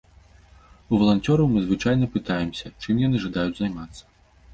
У валанцёраў мы звычайна пытаемся, чым яны жадаюць займацца.